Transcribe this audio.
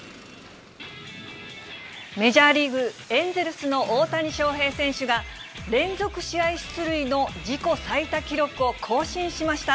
メジャーリーグ・エンゼルスの大谷翔平選手が、連続試合出塁の自己最多記録を更新しました。